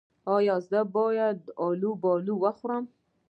ایا زه باید الوبالو وخورم؟